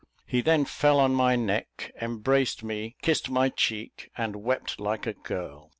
He then fell on my neck, embraced me, kissed my cheek, and wept like a girl.